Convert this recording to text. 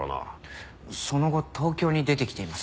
その後東京に出てきています。